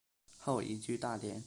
后移居大连。